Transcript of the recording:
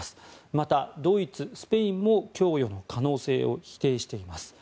またドイツ、スペインも供与の可能性を否定しています。